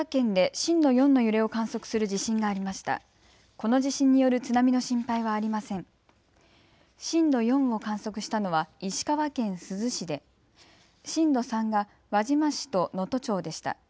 震度４を観測したのは石川県珠洲市で震度３が輪島市と能登町でした。